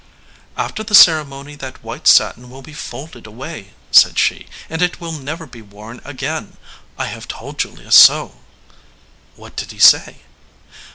"After the ceremony that white satin will be folded away," said she, "and it will never be worn again ; I have told Julius so." "What did he say?"